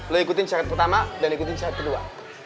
lo ikutin syarat pertama dan ikutin syarat kedua